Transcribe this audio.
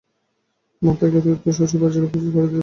মা থাকলে তোকে তোর শ্বশুরবাড়ির জন্যে প্রস্তুত করে দিতে পারতেন।